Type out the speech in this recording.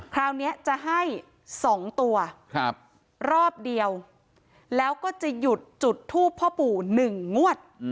คราวนี้จะให้๒ตัวรอบเดียวแล้วก็จะหยุดจุดทูปพ่อปู่๑งวด